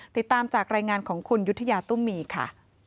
ติดตามจากรายงานของคุณยุธยาตุ้มมีค่ะ